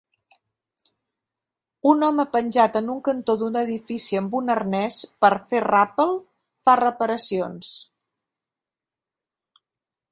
Un home penjat en un cantó d'un edifici amb un arnès per fer ràpel fa reparacions.